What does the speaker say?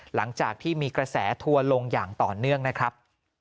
หลังจากที่มีกระแสทัวร์ลงอย่างต่อเนื่องนะครับ